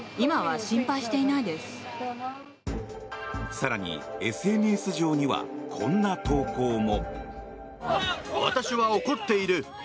更に、ＳＮＳ上にはこんな投稿も。